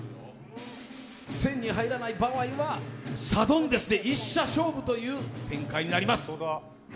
１０００に入らない場合はサドンデスで１射勝負という展開になります。